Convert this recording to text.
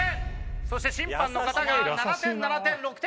そして審判の方が７点７点６点。